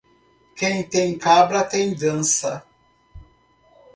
Quem tem cabra tem dança.